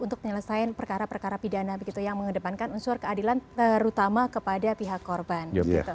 untuk penyelesaian perkara perkara pidana begitu yang mengedepankan unsur keadilan terutama kepada pihak korban